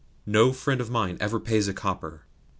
No friend of mine ever pays a copper."